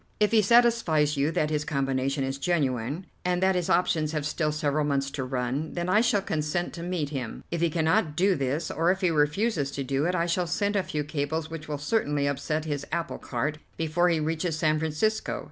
If he satisfies you that his combination is genuine, and that his options have still several months to run, then I shall consent to meet him. If he cannot do this, or if he refuses to do it, I shall send a few cables which will certainly upset his apple cart before he reaches San Francisco.